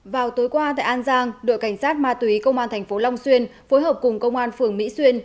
vào tối qua tại an giang đội cảnh sát ma túy công an thành phố long xuyên phối hợp cùng công an phường mỹ xuyên